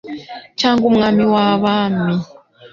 cyangwa "umwami w' abami"